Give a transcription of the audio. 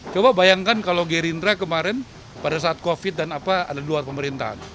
coba bayangkan kalau gerindra kemarin pada saat covid dan apa ada di luar pemerintahan